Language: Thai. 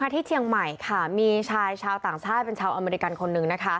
ที่เชียงใหม่มีชายชาวต่างชาติเป็นชาวอเมริกันคนหนึ่ง